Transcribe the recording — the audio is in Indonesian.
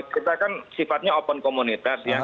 kita kan sifatnya open komunitas ya